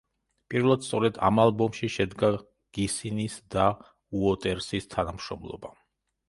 პირველად სწორედ ამ ალბომში შედგა გისინის და უოტერსის თანამშრომლობა.